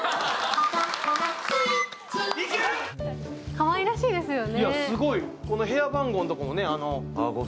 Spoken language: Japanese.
かわいらしいですよね。